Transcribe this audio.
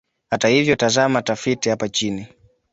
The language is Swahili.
Hata hivyo, tazama tafiti hapa chini.